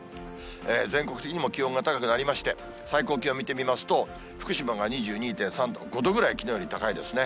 全国的にも気温が高くなりまして、最高気温見てみますと、福島が２２．３度、５度ぐらいきのうより高いですね。